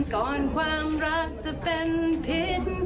ก่อนความรักจะเป็นพิษ